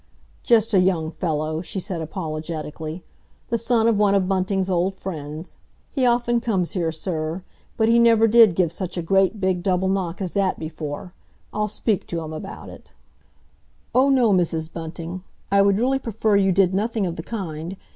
"Just a young fellow," she said apologetically. "The son of one of Bunting's old friends. He often comes here, sir; but he never did give such a great big double knock as that before. I'll speak to him about it." "Oh, no, Mrs. Bunting. I would really prefer you did nothing of the kind.